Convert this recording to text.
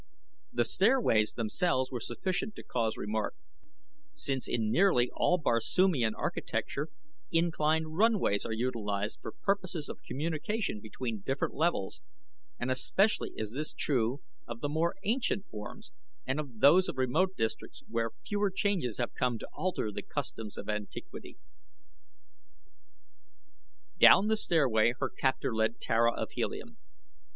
The stairways themselves were sufficient to cause remark, since in nearly all Barsoomian architecture inclined runways are utilized for purposes of communication between different levels, and especially is this true of the more ancient forms and of those of remote districts where fewer changes have come to alter the customs of antiquity. Down the stairway her captor led Tara of Helium.